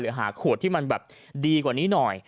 หาขวดที่มันแบบดีกว่านี้หน่อย